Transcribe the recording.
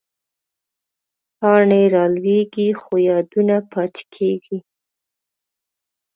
پاڼې رالوېږي، خو یادونه پاتې کېږي